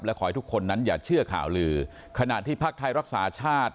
ขอให้ทุกคนนั้นอย่าเชื่อข่าวลือขณะที่พักไทยรักษาชาติ